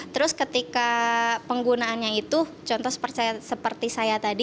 terus ketika penggunaannya itu contoh seperti saya tadi